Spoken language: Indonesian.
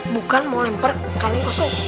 bukan mau lempar kaleng kosong